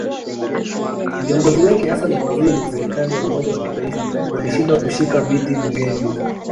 Viongozi wengi hasa mawaziri wa serikali ya umoja wa kitaifa walishindwa kushika viti bungeni.